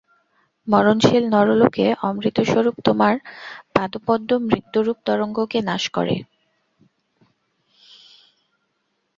মরণশীল নরলোকে অমৃতস্বরূপ তোমার পাদপদ্ম মৃত্যুরূপ তরঙ্গকে নাশ করে।